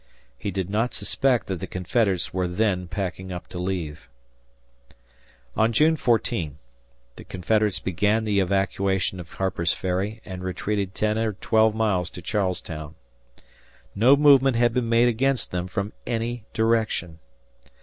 He did not suspect that the Confederates were then packing up to leave. On June 14 the Confederates began the evacuation of Harper's Ferry and retreated ten or twelve miles to Charles Town. No movement had been made against them from any direction.